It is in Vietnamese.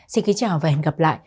xin kính chào và hẹn gặp lại